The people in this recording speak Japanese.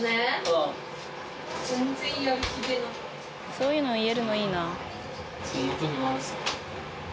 そういうの言えるのいいな。